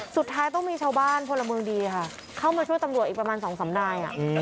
สุดท้ายต้องมีชาวบ้านพลเมืองดีค่ะเข้ามาช่วยตำรวจอีกประมาณ๒๓นาย